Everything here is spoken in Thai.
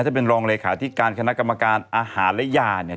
ถ้าเป็นรองเลขาธิการคณะกรรมการอาหารและยาเนี่ย